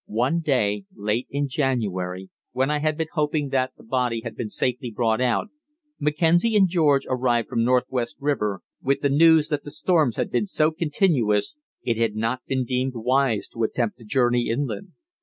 One day late in January, when I had been hoping that the body had been safely brought out, Mackenzie and George arrived from Northwest River with the news that the storms had been so continuous it had not been deemed wise to attempt the journey inland.